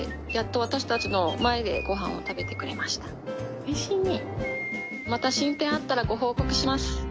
おいしいね。